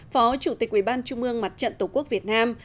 phó chủ tịch quy bán trung ương mặt trận tổ quốc việt nam